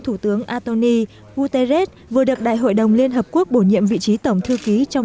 thủ tướng antoni guterres vừa được đại hội đồng liên hợp quốc bổ nhiệm vị trí tổng thư ký trong